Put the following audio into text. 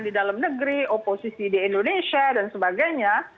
di dalam negeri oposisi di indonesia dan sebagainya